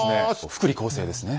福利厚生ですね。